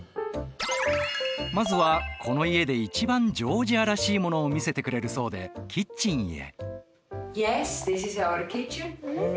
まずはこの家で一番ジョージアらしいものを見せてくれるそうでキッチンへ。